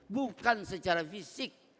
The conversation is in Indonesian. bukan secara fisik